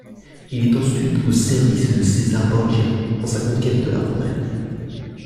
Il est ensuite au service de César Borgia dans sa conquête de la Romagne.